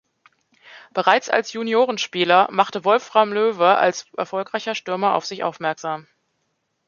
Bereits als Juniorenspieler machte Wolfram Löwe als erfolgreicher Stürmer auf sich aufmerksam.